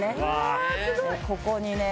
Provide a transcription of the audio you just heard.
ここにね